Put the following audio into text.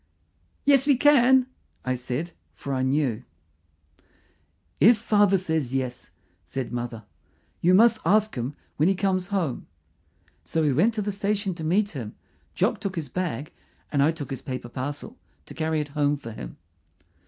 "Yes, we can," I said, for I knew. "If father says yes," said mother. "You must ask him when he comes home." So we went to the station to meet him. Jock took his bag, and I took his paper parcel to carry it home for him.